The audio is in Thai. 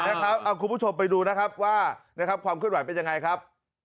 เอาคุณผู้ชมไปดูนะครับว่าความขึ้นหวัดเป็นยังไงครับ